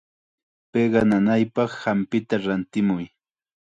Piqa nanaypaq hampita rantimuy.